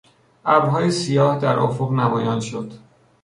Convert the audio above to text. ابرهای سیاه در افق نمایان شد.